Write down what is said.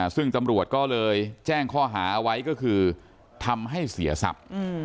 ซึ่งตำรวจก็เลยแจ้งข้อหาเอาไว้ก็คือทำให้เสียทรัพย์